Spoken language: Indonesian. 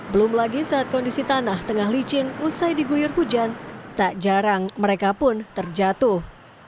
belum lagi saat kondisi tanah tengah licin usai diguyur hujan tak jarang mereka pun terjatuh